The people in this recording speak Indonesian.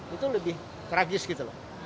itu lebih tragis gitu loh